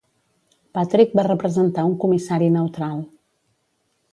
Patrick va representar un comissari neutral.